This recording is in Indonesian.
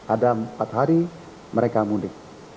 ada empat hari mereka mudik